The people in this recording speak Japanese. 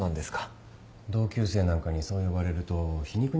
同級生なんかにそう呼ばれると皮肉に聞こえちゃうんですよね。